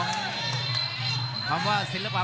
คมทุกลูกจริงครับโอ้โห